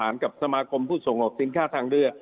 กับสมาคมผู้ส่งออกสินค้าทางเรือ